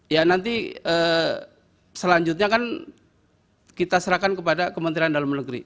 ya nanti selanjutnya kan kita serahkan kepada kementerian dalam negeri